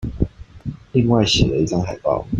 另外寫了一張海報